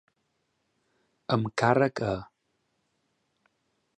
Amb càrrec a.